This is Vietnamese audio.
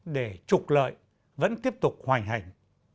để trục lợi vẫn tiếp tục hoành hành